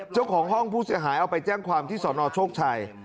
เจ้าของห้องผู้เสียหายเอาไปแจ้งความที่สนโชคชัย